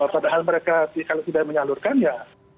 padahal mereka kalau tidak menyalurkan ya